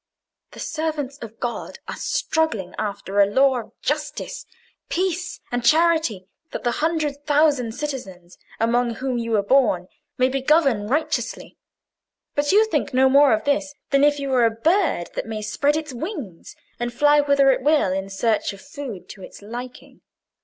The servants of God are struggling after a law of justice, peace, and charity, that the hundred thousand citizens among whom you were born may be governed righteously; but you think no more of this than if you were a bird, that may spread its wings and fly whither it will in search of food to its liking.